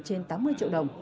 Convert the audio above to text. trên tám mươi triệu đồng